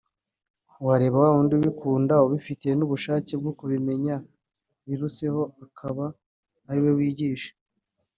wareba wa wundi ubikunda ufite n’ubushake bwo kumenya biruseho akaba ari we wigisha